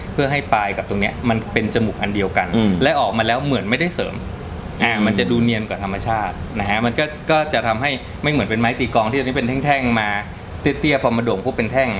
เพื่อให้ปลายกับหลายตรงนี้มันเป็นจมูกอันเดียวกัน